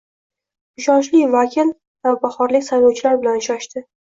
Ishonchli vakil navbahorlik saylovchilar bilan uchrashdi